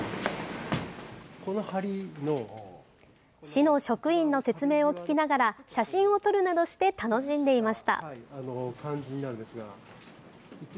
市の職員の説明を聞きながら写真を撮るなどして楽しんでいました。